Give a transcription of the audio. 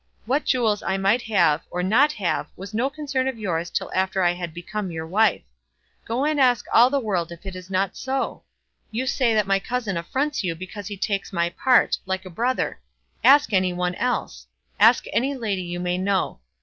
What jewels I might have, or not have, was no concern of yours till after I had become your wife. Go and ask all the world if it is not so? You say that my cousin affronts you because he takes my part, like a brother. Ask any one else. Ask any lady you may know.